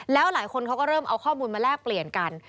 แล้วหลายคนเขาก็เริ่มเอาข้อมูลมาแลกเปลี่ยนกัน